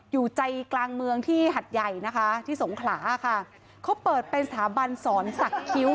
อยู่ใจกลางเมืองที่หัดใหญ่นะคะที่สงขลาค่ะเขาเปิดเป็นสถาบันสอนศักดิ์คิ้ว